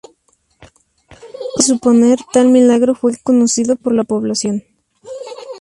Como es de suponer, tal milagro fue conocido por la población.